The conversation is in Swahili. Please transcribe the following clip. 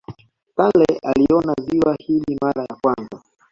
Stanley aliona ziwa hili mara ya kwanza